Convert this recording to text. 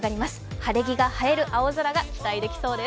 晴れ着が映える青空が期待できそうです。